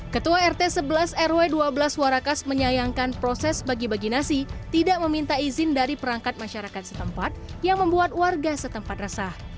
ketua rt sebelas rw dua belas warakas menyayangkan proses bagi bagi nasi tidak meminta izin dari perangkat masyarakat setempat yang membuat warga setempat resah